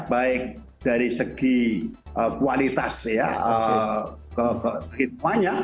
baik dari segi kualitas ya kehitwanya